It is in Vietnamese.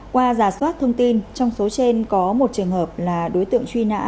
qua giả soát thông tin trong số trên có một trường hợp là đối tượng truy nã